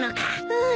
うん。